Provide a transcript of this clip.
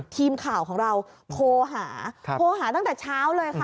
ทีมข่าวของเราโทรหาโทรหาตั้งแต่เช้าเลยค่ะ